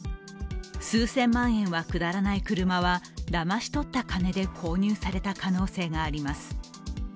数千万円は下らない車はだまし取った金で購入された可能性があります。